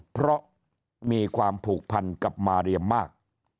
เพราะมีความผูกพันกับมาเรียมาก